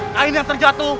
kain yang terjatuh